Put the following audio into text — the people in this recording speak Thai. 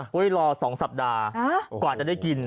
รอ๒สัปดาห์กว่าจะได้กิน